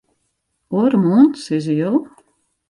Oaremoarn, sizze jo?